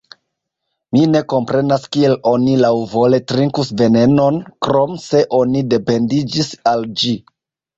Mi ne komprenas kiel oni laŭvole trinkus venenon, krom se oni dependiĝis al ĝi.